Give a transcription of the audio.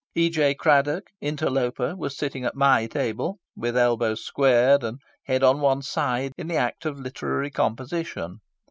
E. J. Craddock, interloper, was sitting at my table, with elbows squared and head on one side, in the act of literary composition.